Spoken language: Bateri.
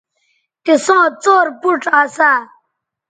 تِساں څور پوڇ اسا